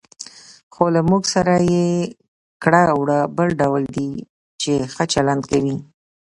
خو له موږ سره یې کړه وړه بل ډول دي، چې ښه چلند کوي.